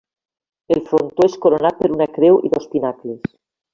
El frontó és coronat per una creu i dos pinacles.